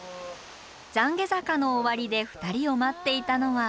ざんげ坂の終わりで２人を待っていたのは。